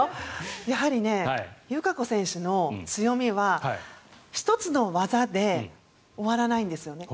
やはり友香子選手の強みは１つの技で終わらないんですよね。